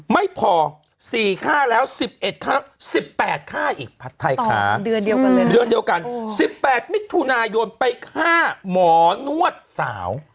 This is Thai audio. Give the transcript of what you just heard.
ไม่พอ๔ฆ่าแล้ว๑๑ฆ่า๑๘ฆ่าอีกพัดไทยค้า๑๘มิตรทุนายนไปฆ่าหมอนวดสาว